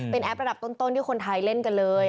เป็นแอประดับต้นที่คนไทยเล่นกันเลย